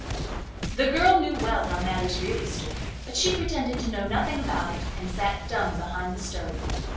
The girl knew well how matters really stood, but she pretended to know nothing about it, and sat dumb behind the stove.